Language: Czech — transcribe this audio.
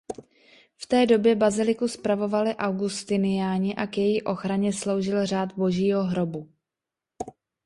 V té době baziliku spravovali augustiniáni a k její ochraně sloužil Řád Božího Hrobu.